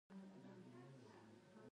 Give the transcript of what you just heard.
آیا د ایران کرنه حاصلخیزه نه ده؟